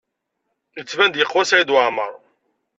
Yettban-d yeqwa Saɛid Waɛmaṛ.